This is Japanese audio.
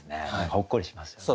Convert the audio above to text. ほっこりしますよね。